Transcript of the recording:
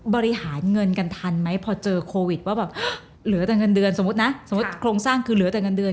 บริหารเงินกันทันไหมพอเจอโควิดว่าแบบเหลือแต่เงินเดือนสมมุตินะสมมุติโครงสร้างคือเหลือแต่เงินเดือน